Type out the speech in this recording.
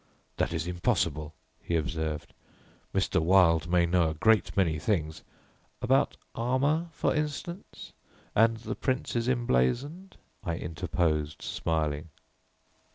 "That is impossible," he observed, "Mr. Wilde may know a great many things " "About armour, for instance, and the 'Prince's Emblazoned,'" I interposed, smiling.